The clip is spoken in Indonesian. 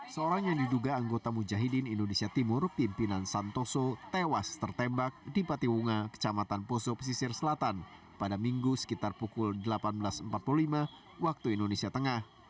seorang yang diduga anggota mujahidin indonesia timur pimpinan santoso tewas tertembak di patiwunga kecamatan poso pesisir selatan pada minggu sekitar pukul delapan belas empat puluh lima waktu indonesia tengah